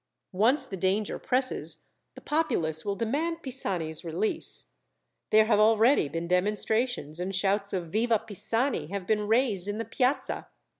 Once the danger presses, the populace will demand Pisani's release. There have already been demonstrations, and shouts of 'Viva Pisani!' have been raised in the Piazza.